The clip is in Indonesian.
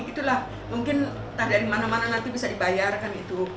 itulah mungkin entah dari mana mana nanti bisa dibayarkan itu